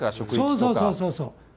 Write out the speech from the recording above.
そうそうそうそう。